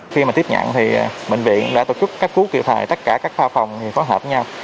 khi mà tiếp nhận thì bệnh viện đã tổ chức các cú kịp thời tất cả các pha phòng thì có hợp nhau